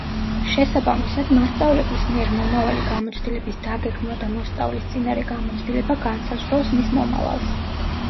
შესაბამისად მასწავლებლის მიერ მომავალი გამოცდილების დაგეგმვა და მოსწავლის წინარე გამოცდილება განსაზღვრავს მის მომავალს.